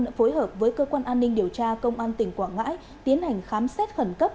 đã phối hợp với cơ quan an ninh điều tra công an tỉnh quảng ngãi tiến hành khám xét khẩn cấp